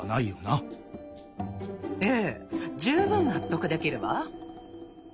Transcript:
ええ十分納得できるわ。